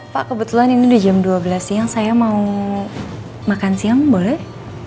pak kebetulan ini udah jam dua belas siang saya mau makan siang boleh